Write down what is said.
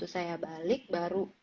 saya balik baru